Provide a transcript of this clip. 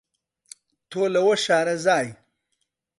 تۆ لەوە شارەزای